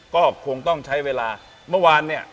ก็คงต้องใช้เวลาเมื่อวานเนี่ย